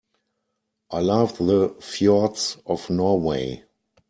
I love the fjords of Norway.